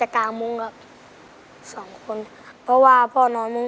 ก็ว่าพ่อนอน